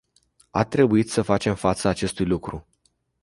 A trebuit să facem față acestui lucru.